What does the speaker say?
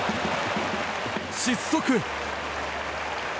失速。